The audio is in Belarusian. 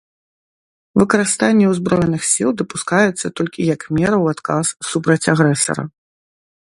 Выкарыстанне ўзброеных сіл дапускаецца толькі як мера ў адказ супраць агрэсара.